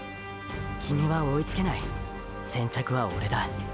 キミは追いつけない先着はオレだ。